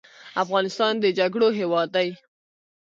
افغانستان د جګړو هیواد دی